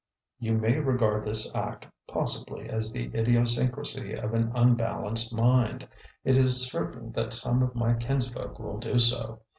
"You may regard this act, possibly, as the idiosyncrasy of an unbalanced mind; it is certain that some of my kinsfolk will do so.